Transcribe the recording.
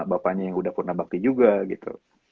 atau apanya yang udah pernah bakti juga gitu